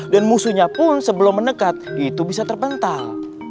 dan musuhnya pun sebelum menekat itu bisa terpental